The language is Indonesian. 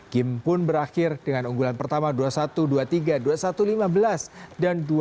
game pun berakhir dengan unggulan pertama dua puluh satu dua puluh tiga dua puluh satu lima belas dan dua belas